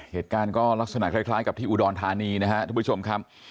เหตุการณ์ก็ลักษณะคล้ายกับที่อุดรธานีนะครับทุกผู้ชมครับ